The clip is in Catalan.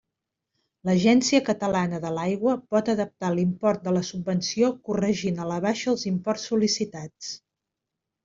L'Agència Catalana de l'Aigua pot adaptar l'import de la subvenció corregint a la baixa els imports sol·licitats.